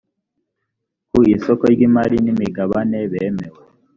ku isoko ry imari n imigabane bemewe